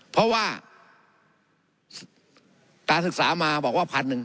เพราะว่าการศึกษามาบอกว่า๑๐๐๐